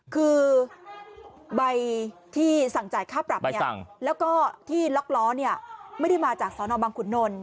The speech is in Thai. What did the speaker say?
คือใบที่สั่งจ่ายค่าปรับเนี่ยแล้วก็องล้อไม่ได้มาจากสคุณน